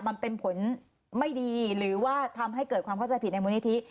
มันเป็นผลไม่ดีหรือว่าทำให้เกิดความเข้าใจผิดในมูลนิธิ